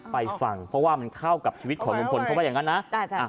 ไปฟังเพราะว่ามันเข้ากับชีวิตของลุงพลเขาว่าอย่างนั้นนะ